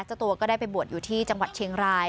เจ้าตัวก็ได้ไปบวชอยู่ที่จังหวัดเชียงราย